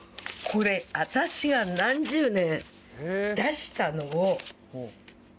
これ私が何十年出したのを。